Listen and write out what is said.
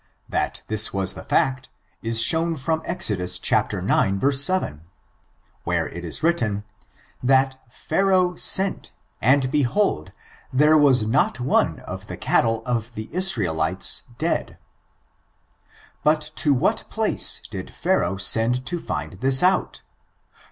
That this was the fact, is shown from Exod. ix, 7, where it is written, that "Pharaoh sent, and behold, there was not one of the cattle of the Israelites dead." But to what place did Pharaoh send to find this out?